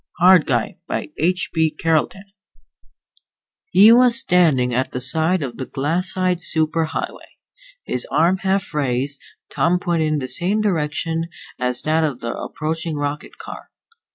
_ HARD GUY By H. B. CARLETON He was standing at the side of the glassite super highway, his arm half raised, thumb pointed in the same direction as that of the approaching rocket car.